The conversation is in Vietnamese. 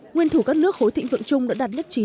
nguyên thủ các nước khối thịnh vượng chung đã đạt nhất trí